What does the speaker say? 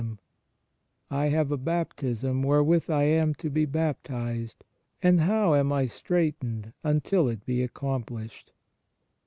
And I have a baptism wherewith I am to be baptized. And how am I straitened until it be accomplished?